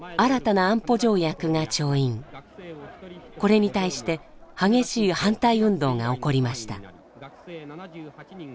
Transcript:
これに対して激しい反対運動が起こりました。